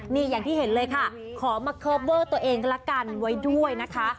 นี่อย่างที่เห็นเลยค่ะขอมาเคิร์ฟเวอร์ตัวเองก็ละกันไว้ด้วยนะคะ